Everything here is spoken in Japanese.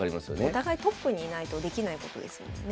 お互いトップにいないとできないことですもんね。